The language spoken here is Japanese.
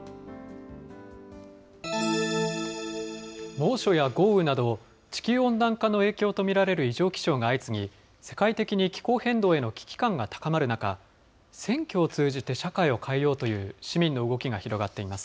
猛暑や豪雨など、地球温暖化の影響と見られる異常気象が相次ぎ、世界的に気候変動への危機感が高まる中、選挙を通じて社会を変えようという市民の動きが広がっています。